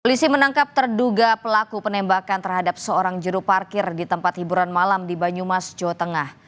polisi menangkap terduga pelaku penembakan terhadap seorang juru parkir di tempat hiburan malam di banyumas jawa tengah